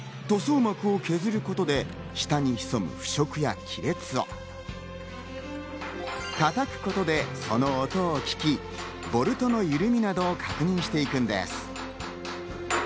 塗装膜を削ることで、下に潜む腐食や亀裂を叩くことで、その音を聞き、ボルトの緩みなどを確認していくのです。